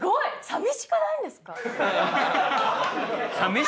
寂しくないんですか。